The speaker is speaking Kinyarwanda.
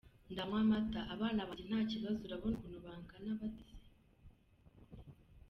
Ndanywa amata, abana banjye nta kibazo urabona ukuntu bangana batese.